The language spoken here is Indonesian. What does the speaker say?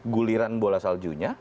guliran bola saljunya